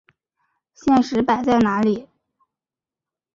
现实摆在哪里！